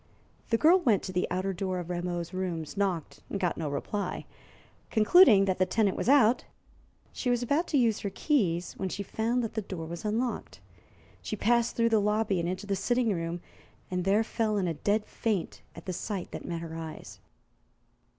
The girl went to the outer door of Rameau's rooms, knocked, and got no reply. Concluding that the tenant was out, she was about to use her keys, when she found that the door was unlocked. She passed through the lobby and into the sitting room, and there fell in a dead faint at the sight that met her eyes.